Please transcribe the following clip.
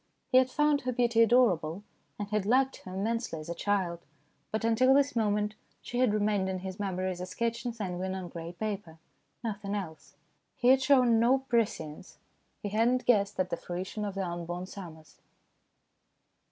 He had found her beauty adorable, and had liked her immensely as a child, but until this moment she had remained in his memory as a sketch in sanguine on grey paper nothing else. He had shown no prescience. He had not guessed at the fruition of the unborn summers.